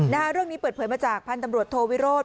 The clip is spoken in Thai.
เรื่องนี้เปิดเผยมาจากพันธุ์ตำรวจโทวิโรธ